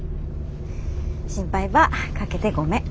心配ばかけてごめん。